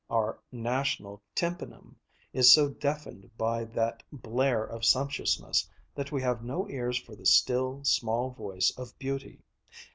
Our national tympanum is so deafened by that blare of sumptuousness that we have no ears for the still, small voice of beauty.